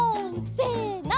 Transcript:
せの。